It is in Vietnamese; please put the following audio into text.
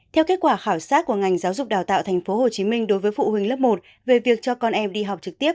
theo kết quả khảo sát của ngành giáo dục đào tạo tp hcm đối với phụ huynh lớp một về việc cho con em đi học trực tiếp